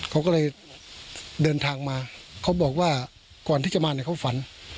เขาก็เลยเดินทางมาเขาบอกว่าก่อนที่จะมาเนี่ยเขาฝัน